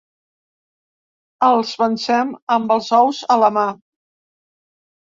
Els vencem amb els ous a la mà.